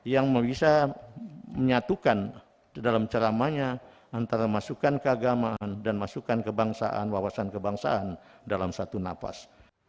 dan bersifat sukarela sedangkan untuk pegiat agama lain akan disusulkan bulan depan